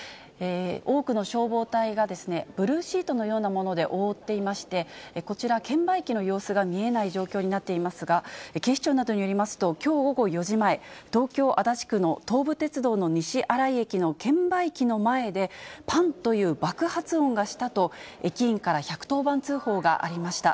多くの消防隊が、ブルーシートのようなもので覆っていまして、こちら、券売機の様子が見えない状況になっていますが、警視庁などによりますと、きょう午後４時前、東京・足立区の東武鉄道の西新井駅の券売機の前で、ぱんという爆発音がしたと、駅員から１１０番通報がありました。